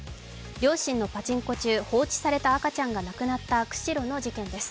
両親のパチンコ中、放置された赤ちゃんが亡くなった釧路の事件です。